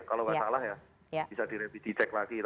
kalau nggak salah ya bisa direvisi cek lagi